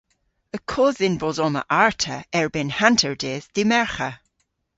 Y kodh dhyn bos omma arta erbynn hanterdydh dy' Mergher.